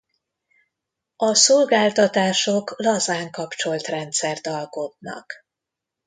A szolgáltatások lazán kapcsolt rendszert alkotnak.